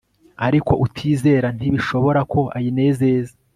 Ariko utizera ntibishoboka ko ayinezeza